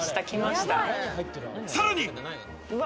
さらに。